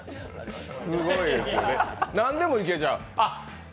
何でもいけちゃう？